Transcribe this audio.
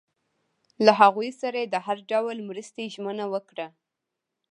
له هغوی سره یې د هر ډول مرستې ژمنه وکړه.